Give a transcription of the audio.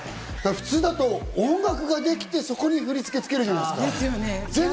普通だと音楽ができて、そこに振り付けをつけるじゃないですか。